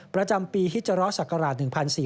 ประจำปีฮิจรศักราช๑๔